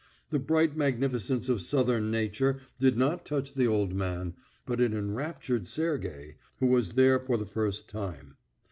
The bright magnificence of southern Nature did not touch the old man, but it enraptured Sergey, who was there for the first time.